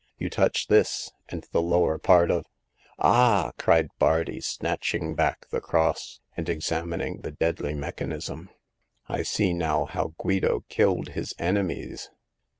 "You touch this, and the lower part of "Ah !" cried Bardi, snatching back the cross, and examining the deadly mechanism. I see now how Guido killed his enemies.